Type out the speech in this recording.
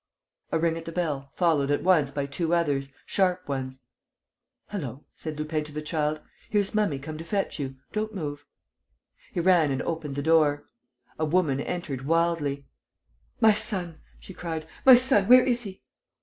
A ring at the bell followed, at once, by two others, sharp ones. "Hullo!" said Lupin to the child. "Here's mummy come to fetch you. Don't move." He ran and opened the door. A woman entered, wildly: "My son!" she screamed. "My son! Where is he?"